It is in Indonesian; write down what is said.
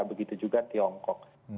begitu juga tiongkok